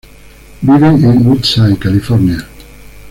Viven en Woodside, California.